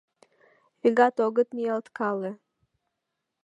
Вигат огыт ниялткале.